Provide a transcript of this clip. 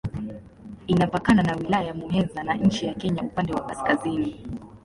Inapakana na Wilaya ya Muheza na nchi ya Kenya upande wa kaskazini.